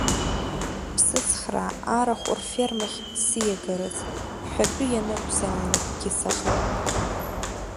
Бсыцхраа арахә рфермахь сиагаразы, бҳәатәы ианакәзаалакгьы сахыԥом!